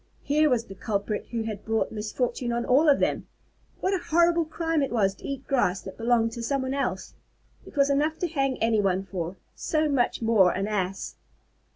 Here was the culprit who had brought misfortune on all of them! What a horrible crime it was to eat grass that belonged to someone else! It was enough to hang anyone for, much more an Ass.